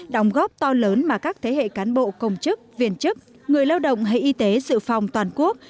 đồng góp to lớn mà các thế hệ cán bộ công chức viên chức người lao động hay y tế dự phòng toàn quốc